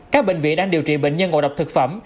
các bệnh viện đang điều trị bệnh nhân ngộ độc thực phẩm